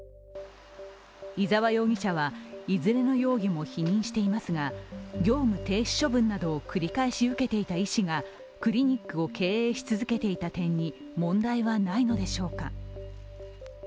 伊沢容疑者はいずれの容疑も否認していますが業務停止処分などを繰り返し受けていた医師がクリニックを経営し続けていた点に問題はないのでしょうか。